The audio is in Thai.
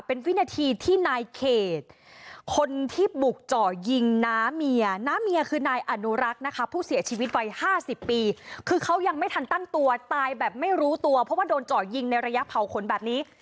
เป็นวินาทีที่นายเขตคนที่บุกเจาะยิงน้าเมีย